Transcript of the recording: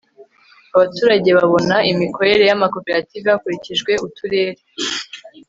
abaturage babona imikorere y amakoperative hakurikijwe uturere